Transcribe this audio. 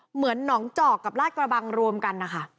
เหมือนหนองเจาะกับลาดกระบังรวมกัน